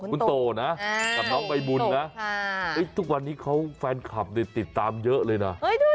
คุณโตนะกับน้องใบบุญนะทุกวันนี้เขาแฟนคลับติดตามเยอะเลยนะ